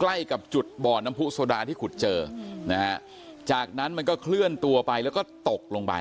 ใกล้กับจุดบ่อน้ำผู้โซดาที่ขุดเจอนะฮะจากนั้นมันก็เคลื่อนตัวไปแล้วก็ตกลงไป